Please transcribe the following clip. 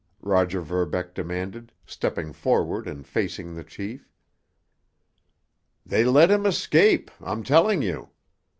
Roger Verbeck demanded, stepping forward and facing the chief. "They let him escape, I'm telling you!